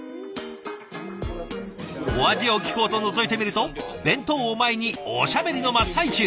お味を聞こうとのぞいてみると弁当を前におしゃべりの真っ最中！